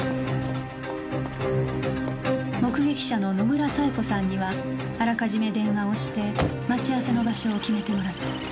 目撃者の野村冴子さんにはあらかじめ電話をして待ち合わせの場所を決めてもらった